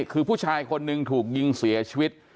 คือผู้ชายคนหนึ่งถูกยิงเสียชีวิต